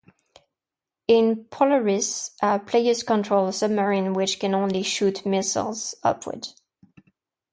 In "Polaris", players control a submarine which can only shoot missiles upward.